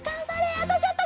あとちょっと。